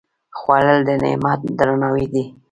خوړل د نعمت درناوی دی